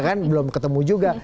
kan belum ketemu juga